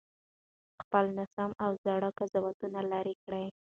خپل ناسم او زاړه قضاوتونه لرې کړئ.